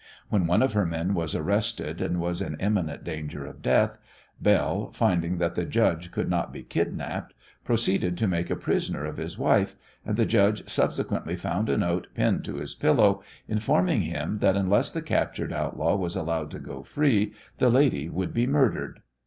When one of her men was arrested and was in imminent danger of death, Belle, finding that the judge could not be kidnapped, proceeded to make a prisoner of his wife, and the judge subsequently found a note pinned to his pillow, informing him that unless the captured outlaw was allowed to go free the lady would be murdered.